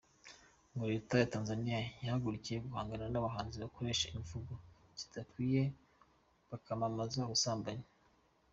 Ngo Leta ya Tanzania yahagarukiye guhangana n’abahanzi bakoresha imvugo zidakwiye bakanamamaza ubusambanyi.